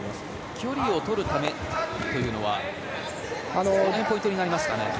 距離をとるためというのはどこがポイントになりますかね。